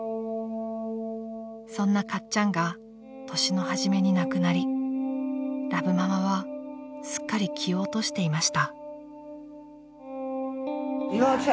［そんなかっちゃんが年の初めに亡くなりラブママはすっかり気を落としていました］